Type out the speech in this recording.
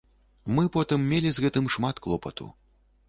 Мы потым мелі з гэтым шмат клопату.